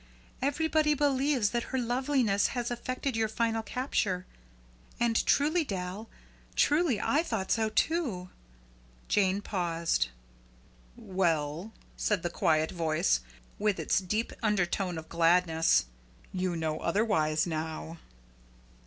Everybody believes that her loveliness has effected your final capture, and truly, Dal, truly I thought so, too." Jane paused. "Well?" said the quiet voice, with its deep undertone of gladness. "You know otherwise now."